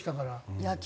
野球